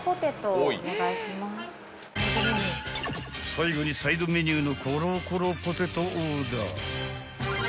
［最後にサイドメニューのコロコロポテトオーダー］